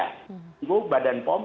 tunggu badan pom